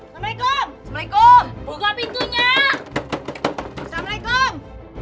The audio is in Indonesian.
waalaikumsalam waalaikumsalam buka pintunya assalamualaikum